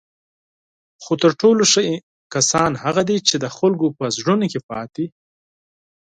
خو تر ټولو ښه کسان هغه دي چی د خلکو په زړونو کې پاتې